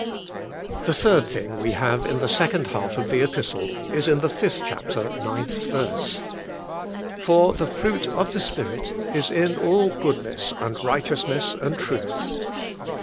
3. The third thing we have in the second half of the Epistle is in the 5th chapter, 9th verse: "For the fruit of the Spirit is in all goodness, and right eousness, and truth."